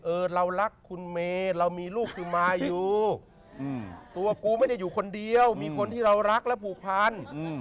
เรารักคุณเมย์เรามีลูกคือมายูตัวกูไม่ได้อยู่คนเดียวมีคนที่เรารักและผูกพัน